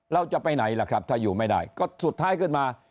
เราจะไปไหนล่ะครับถ้าอยู่ไม่ได้ก็สุดท้ายขึ้นมา